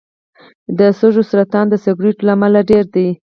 د سږو سرطان د سګرټو له امله ډېر دی.